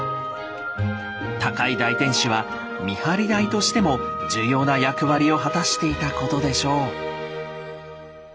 高い大天守は見張り台としても重要な役割を果たしていたことでしょう。